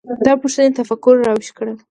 دا پوښتنې تفکر راویښ کړل.